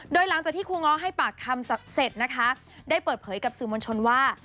โดยหลังจากที่ครูง้อให้ปากคำเสร็จนะคะได้เปิดเผยกับสื่อมวลชนว่า